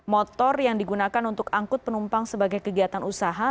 motor yang digunakan untuk angkut penumpang sebagai kegiatan usaha